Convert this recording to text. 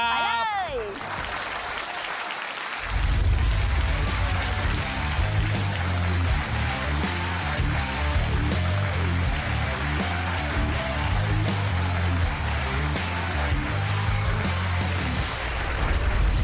ไปเลย